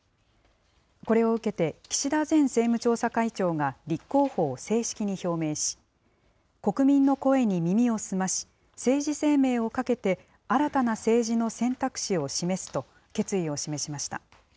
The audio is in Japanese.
これを受けて、岸田前政務調査会長が立候補を正式に表明し、国民の声に耳を澄まし、政治生命をかけて新たな政治の選択肢を示すと、決意を示しました。